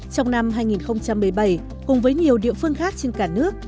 trong năm hai nghìn một mươi bảy cùng với nhiều địa phương khác trên cả nước